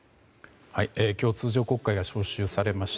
今日、通常国会が召集されました。